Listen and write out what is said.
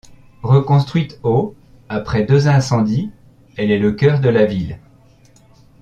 Reconstruite au après deux incendies, elle est le cœur de la ville.